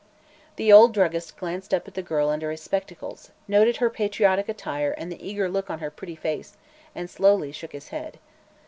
The old druggist glanced up at the girl under his spectacles, noted her patriotic attire and the eager look on her pretty face, and slowly shook his head.